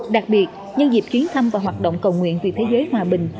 đặc biệt nhân dịp chuyến thăm và hoạt động cầu nguyện vì thế giới hòa bình